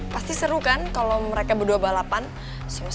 pasti seru kan kalo mereka berdua balapan sama jago gitu